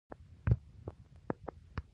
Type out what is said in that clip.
مور د پښو لاندې جنت لري